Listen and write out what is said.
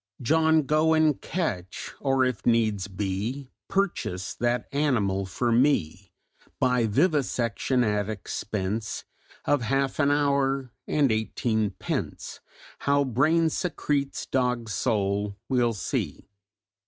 "'John go and catch or, if needs be Purchase that animal for me! By vivisection, at expense Of half an hour and eighteen pence How brain secretes dog's soul, we'll see!'"